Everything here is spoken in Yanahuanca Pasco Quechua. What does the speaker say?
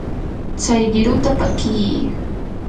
tsay qiruta pakii.